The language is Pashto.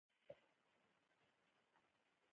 ګلان د ځینو ناروغیو لپاره ګټور دي.